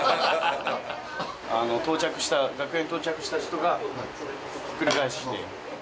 到着した、楽屋に到着した人がひっくり返して。